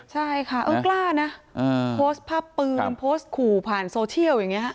ใช่ค่ะเออกล้านะโพสต์ภาพปืนโพสต์ขู่ผ่านโซเชียลอย่างนี้